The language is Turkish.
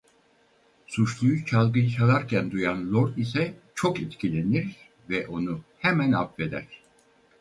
Suçluyu çalgıyı çalarken duyan Lord ise çok etkilenir ve onu hemen affeder.